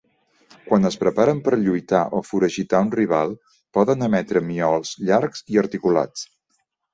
Quan es preparen per lluitar o foragitar un rival, poden emetre miols llargs i articulats.